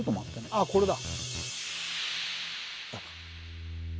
あっこれだ。